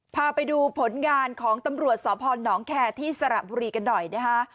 พาไปดูผลงานของตำรวจสพนแคร์ที่สระบุรีกันหน่อยนะคะ